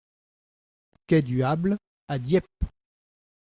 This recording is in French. Quai du Hâble à Dieppe